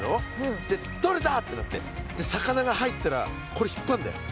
それでとれた！ってなって魚が入ったらこれ引っ張んだよ。